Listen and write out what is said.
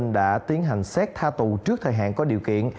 đã tiến hành xét tha tù trước thời hạn có điều kiện